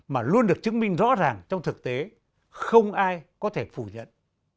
mà luôn được chứng minh rõ ràng trong thực tế không ai có thể phủ nhận